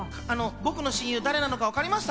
僕の親友が誰なのかわかりました？